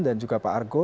dan juga pak argo